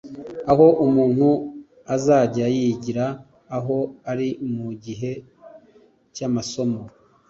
aho umuntu azajya yigira aho ari mu gihe cy’amasomo